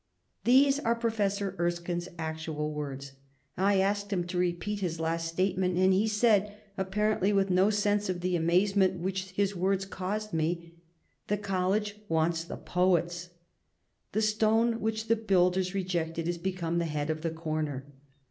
These are Professor Erskine's actual words. I asked him to repeat his last statement and he said, apparently with no sense of the amazement which his words caused in me, "The college wants the poets!" The stone which the builders re jected is become the head of the corner.